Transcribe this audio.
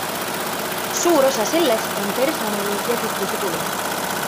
Suur osa sellest on personali- ja kütusekulu.